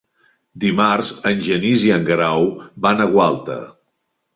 Dimarts en Genís i en Grau van a Gualta.